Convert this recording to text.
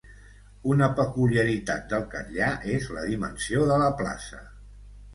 Una peculiaritat del Catllar és la dimensió de la plaça